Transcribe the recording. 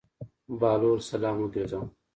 بهلول سلام وګرځاوه.